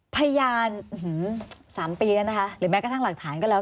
พยาน๓ปีแล้วนะคะหรือแม้กระทั่งหลักฐานก็แล้ว